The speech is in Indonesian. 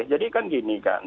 oke jadi kan gini kan